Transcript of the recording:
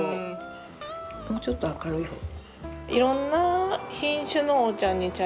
もうちょっと明るい方が。